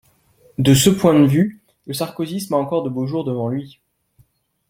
De ce point de vue, le sarkozysme a encore de beaux jours devant lui.